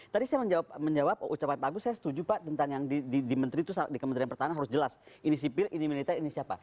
tadi saya menjawab ucapan pak agus saya setuju pak tentang yang di menteri itu di kementerian pertahanan harus jelas ini sipil ini militer ini siapa